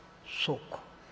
「そうか。